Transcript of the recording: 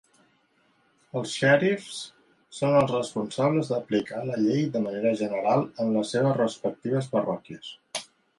Els xèrifs són els responsables d'aplicar la llei de manera general en les seves respectives parròquies.